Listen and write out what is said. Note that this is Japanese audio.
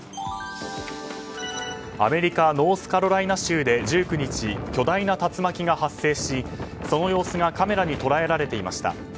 アメリカノースカロライナ州で１９日巨大な竜巻が発生しその様子がカメラに捉えられていました。